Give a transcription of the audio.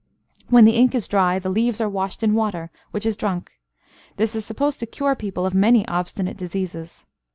When the ink is dry, the leaves are washed in water, which is drunk. This is supposed to cure people of many obstinate diseases.